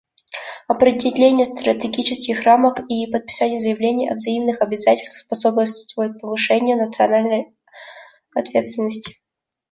Определение стратегических рамок и подписание заявлений о взаимных обязательствах способствуют повышению национальной ответственности.